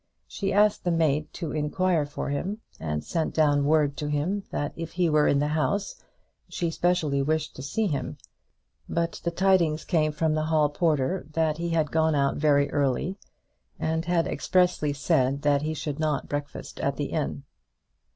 She asked the maid to inquire for him, and sent down word to him that if he were in the house she specially wished to see him; but the tidings came from the hall porter that he had gone out very early, and had expressly said that he should not breakfast at the inn.